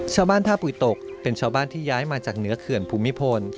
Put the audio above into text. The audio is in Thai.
ชาวบ้านท่าปุ๋ยตกเป็นชาวบ้านที่ย้ายมาจากเหนือเขื่อนภูมิพล